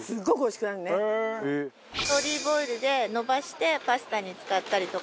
オリーブオイルでのばしてパスタに使ったりとか。